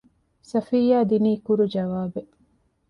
ޞަފިއްޔާ ދިނީ ކުރު ޖަވާބެއް